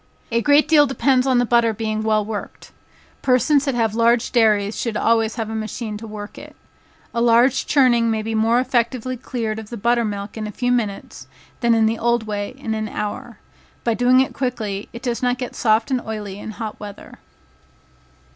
A great deal depends on the butter being well worked. Persons that have large dairies should always have a machine to work it. A large churning may be more effectually cleared of the butter milk in a few minutes, than in the old way in an hour. By doing it quickly, it does not get soft and oily in hot weather.